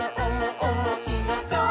おもしろそう！」